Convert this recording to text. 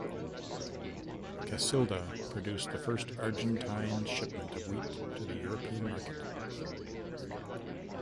Casilda produced the first Argentine shipment of wheat to the European market.